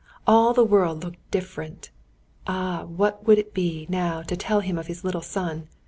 All the world looked different! Ah, what would it be, now, to tell him of his little son!